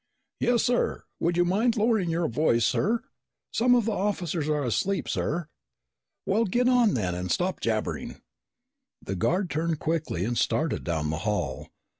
"Yes, sir, but would you mind lowering your voice, sir? Some of the officers are asleep, sir." "Well, get on then and stop jabbering!" The guard turned quickly and started down the hall.